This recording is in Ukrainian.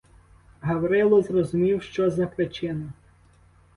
Гаврило зрозумів, що за причина.